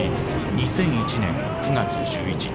２００１年９月１１日。